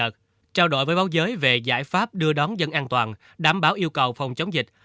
theo báo giới về giải pháp đưa đón dân an toàn đảm bảo yêu cầu phòng chống dịch